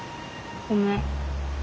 ごめん。